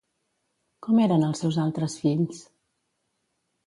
Com eren els seus altres fills?